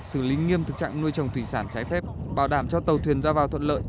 xử lý nghiêm thực trạng nuôi trồng thủy sản trái phép bảo đảm cho tàu thuyền ra vào thuận lợi